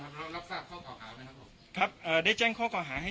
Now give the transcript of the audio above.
ไงบ้างครับเขารับทราบข้อข่อหาไหมครับผมครับเอ่อได้แจ้งข้อข่อหาให้